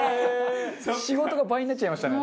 仕事が倍になっちゃいましたね。